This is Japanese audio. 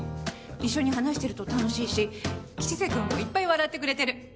一緒に話していると楽しいし吉瀬君もいっぱい笑ってくれてる。